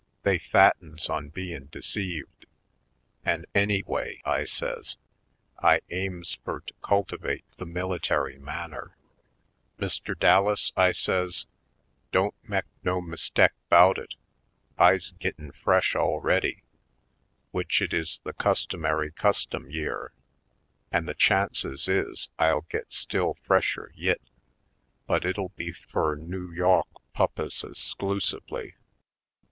They fattens on bein' deceived. An', any way," I says, "I aims fur to cultivate the military manner. Mr. Dallas," I says, "don't mek no mistek 'bout it — I's gittin' fresh already, w'ich it is the customary cus tom yere, an' the chances is I'll git still fresher yit. But it'll be fur Noo Yawk pu'pposes 'sclusively.